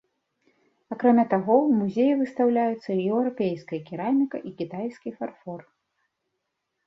Акрамя таго, у музеі выстаўляюцца еўрапейская кераміка і кітайскі фарфор.